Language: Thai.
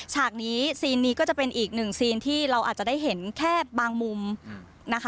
ฉากนี้ซีนนี้ก็จะเป็นอีกหนึ่งซีนที่เราอาจจะได้เห็นแค่บางมุมนะคะ